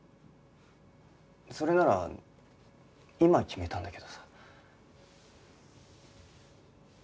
それなら今決めたんだけどさ。